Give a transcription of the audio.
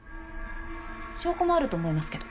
証拠もあると思いますけど。